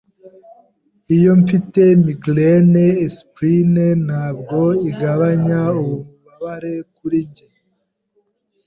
Iyo mfite migraine, aspirine ntabwo igabanya ububabare kuri njye.